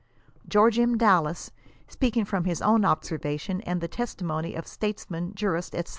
George M . Dallas, speaking from his own observation and the testimony of statesmen, jurists, &c.